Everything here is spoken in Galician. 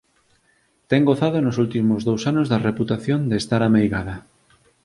Ten gozado nos últimos dous anos da reputación de estar ameigada.